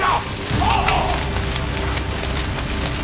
はっ！